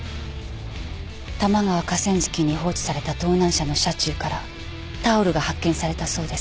多摩川河川敷に放置された盗難車の車中からタオルが発見されたそうです。